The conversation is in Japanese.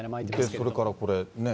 それからこれね。